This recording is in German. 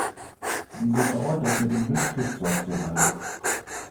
Wieso dauert das mit dem Löschflugzeug so lange?